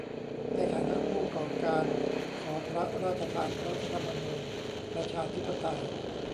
ในฐานะผู้ก่อการขอพระราชทานรัฐธรรมนูญประชาธิปไตย